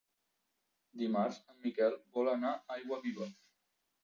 Dimarts en Miquel vol anar a Aiguaviva.